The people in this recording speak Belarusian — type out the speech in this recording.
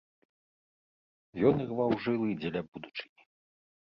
Ён ірваў жылы дзеля будучыні.